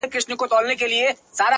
• سر تر نوکه لا خولې پر بهېدلې,